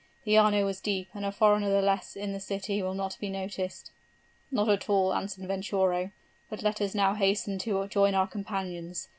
The Arno is deep and a foreigner the less in the city will not be noticed.' 'Not at all,' answered Venturo; 'but let us now hasten to join our companions.